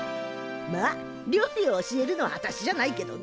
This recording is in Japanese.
まあ料理を教えるのはあたしじゃないけどね。